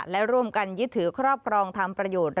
และร่วมกันยึดถือครอบครองทำประโยชน์